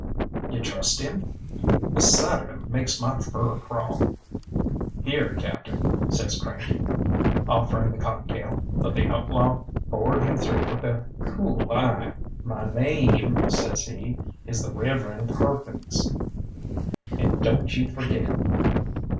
"You trust him?" "The sight of him makes my fur crawl." "Here, Captain," says Cranky, offering the cocktail; but the outlaw bored him through with a cool eye. "My name," says he, "is the Reverend Perkins, and don't you forget.